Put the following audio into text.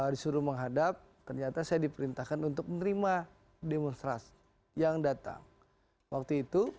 disuruh menghadap ternyata saya diperintahkan untuk menerima demonstrasi yang datang waktu itu